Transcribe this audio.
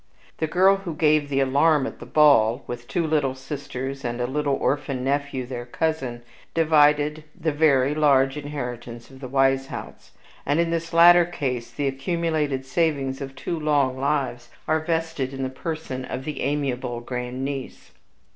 The girl who gave the alarm at the ball, with two little sisters, and a little orphan nephew, their cousin, divided the very large inheritance of the Weishaupts; and in this latter case the accumulated savings of two long lives all vested in the person of the amiable grandniece.